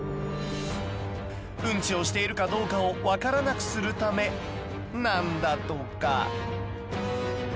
ウンチをしているかどうかを分からなくするためなんだとか。